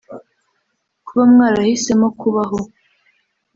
Kuba mwarahisemo kubaho